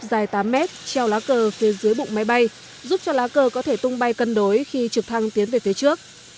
dài tám mét treo lá cờ phía dưới bụng máy bay giúp cho lá cờ có thể tung bay cân đối khi trực thăng tiến về phía trước